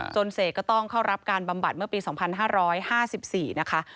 เสกก็ต้องเข้ารับการบำบัดเมื่อปี๒๕๕๔นะคะ